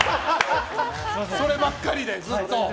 そればっかりでずっと。